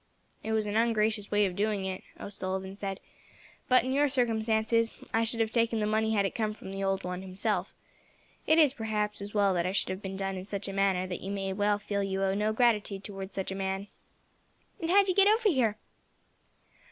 "It was an ungracious way of doing it," O'Sullivan said, "but, in your circumstances, I should have taken the money had it come from the old one himself. It is, perhaps, as well that it should have been done in such a manner that you may well feel you owe no great gratitude towards such a man." "And how did you get over here?"